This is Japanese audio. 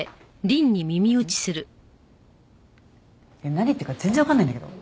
何言ってるか全然わかんないんだけど。